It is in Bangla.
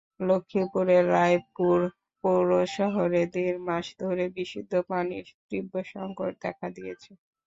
লক্ষ্মীপুরের রায়পুর পৌর শহরে দেড় মাস ধরে বিশুদ্ধ পানির তীব্র সংকট দেখা দিয়েছে।